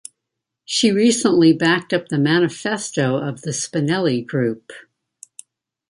She recently backed up the Manifesto of the Spinelli Group.